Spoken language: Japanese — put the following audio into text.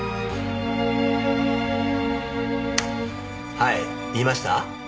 はい見ました？